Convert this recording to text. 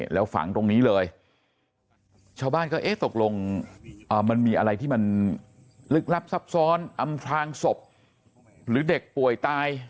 แล้วฝังตรงนี้เลยชาวบ้านก็เอ๊ะตกลงมันมีอะไรที่มันลึกลับซับซ้อนอำพลางศพหรือเด็กป่วยตาย